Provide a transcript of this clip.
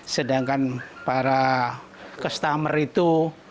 sedangkan para customer itu